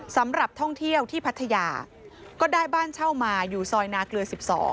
สำหรับท่องเที่ยวที่พัทยาก็ได้บ้านเช่ามาอยู่ซอยนาเกลือ๑๒